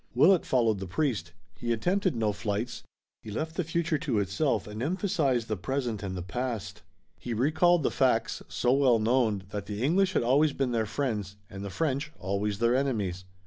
Willet followed the priest. He attempted no flights. He left the future to itself and emphasized the present and the past. He recalled the facts, so well known, that the English had always been their friends, and the French always their enemies.